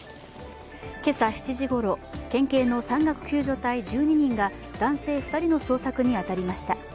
今朝７時ごろ、県警の山岳救助隊１２人が、男性２人の捜索に当たりました。